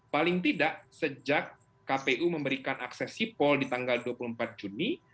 paling tidak sejak kpu memberikan akses sipol di tanggal dua puluh empat juni